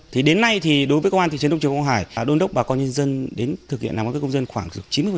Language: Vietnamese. thì đến nay thì đối với công an thị trấn đông trường công hải đôn đốc bà con nhân dân đến thực hiện làm căn cước công dân khoảng chín mươi